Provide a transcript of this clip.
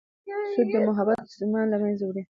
سود د محبت احساس له منځه وړي.